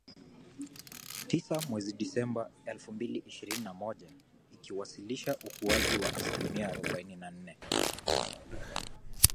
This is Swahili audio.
Tisa mwezi Disemba elfu mbili ishirini na moja , ikiwasilisha ukuaji wa asilimia arobaine na nne